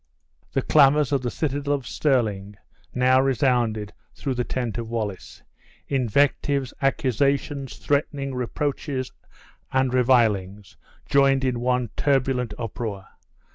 The clamors of the citadel of Stirling now resounded through the tent of Wallace. Invectives, accusations, threatenings, reproaches, and revilings, joined in one turbulent uproar.